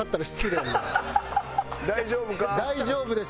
大丈夫です。